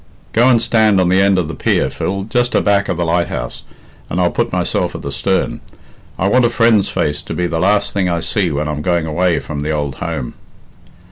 "Go and stand on the end of the pier, Phil just aback of the lighthouse and I'll put myself at the stern. I want a friend's face to be the last thing I see when I'm going away from the old home."?